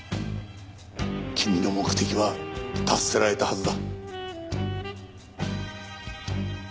君の目的は達せられたはずだ。